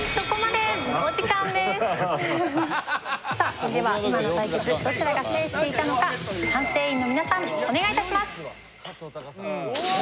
では今の対決どちらが制していたのか判定員の皆さんお願い致します。